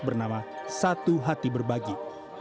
bernama satu hati berbagi